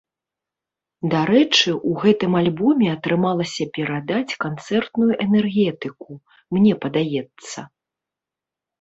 Дарэчы, у гэтым альбоме атрымалася перадаць канцэртную энергетыку, мне падаецца.